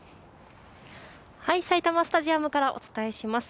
埼玉スタジアムからお伝えします。